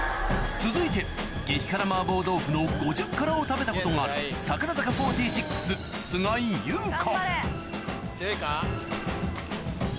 続いて激辛麻婆豆腐の５０辛を食べたことがある強いか？